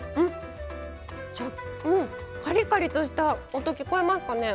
カリカリとした音聞こえますかね。